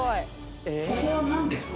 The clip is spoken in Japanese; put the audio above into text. ここは何ですか？